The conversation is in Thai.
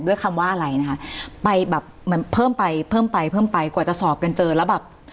คำว่าอะไรนะคะไปแบบเหมือนเพิ่มไปเพิ่มไปเพิ่มไปกว่าจะสอบกันเจอแล้วแบบ